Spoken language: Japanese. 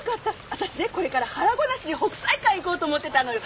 私ねこれから腹ごなしに北斎館へ行こうと思ってたのよ。